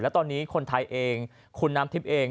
และตอนนี้คนไทยเองคุณน้ำทิพย์เอง